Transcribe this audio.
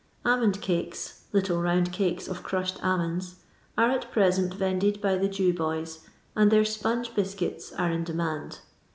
Almond cakes (little round cakes of crushed almonds) are at present vended by the Jew boys, and their sponge biscuits are in demand.